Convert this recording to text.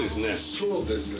そうですね。